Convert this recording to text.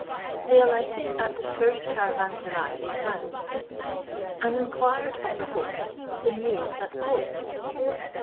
They alighted at the first caravanserai they found, and inquired of the host the news at court.